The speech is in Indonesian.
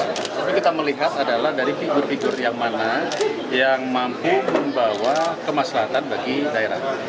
tapi kita melihat adalah dari figur figur yang mana yang mampu membawa kemaslahan bagi daerah